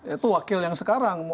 itu wakil yang sekarang